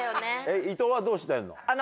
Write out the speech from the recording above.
いとうはどうしてんの？